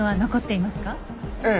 ええ。